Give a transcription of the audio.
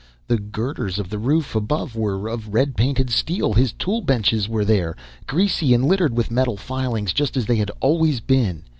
The girders of the roof above were of red painted steel. His tool benches were there, greasy and littered with metal filings, just as they had always been.